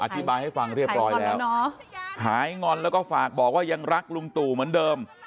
อธิบายให้ฟังเรียบร้อยแล้วหายงอนแล้วก็ฝากบอกว่ายังรักลุงตู่เหมือนเดิม